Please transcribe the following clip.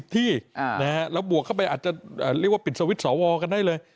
ที่เราบวกเข้าไปอาจจะเรียกว่าปิดสวิตช์สวกันได้เลย